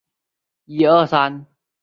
一般表示中央元音。